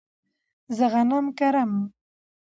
زه غنم کرم